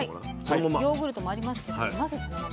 ヨーグルトもありますけどまずそのまま。